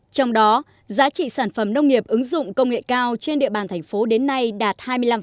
trong đó giá trị sản phẩm nông nghiệp ứng dụng công nghệ cao trên địa bàn thành phố đến nay đạt hai mươi năm